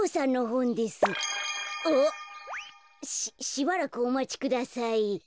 しばらくおまちください。